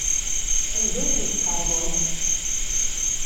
Anda ay ten-tqerḍeḍ?